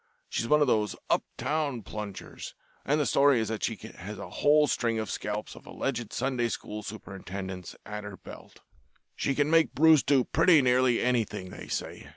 She's one of those uptown plungers, and the story is that she has a whole string of scalps of alleged Sunday school superintendents at her belt. She can make Bruce do pretty nearly anything, they say.